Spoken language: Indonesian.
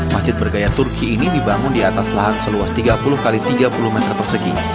masjid bergaya turki ini dibangun di atas lahan seluas tiga puluh x tiga puluh meter persegi